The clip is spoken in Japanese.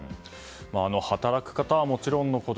働く方はもちろんのこと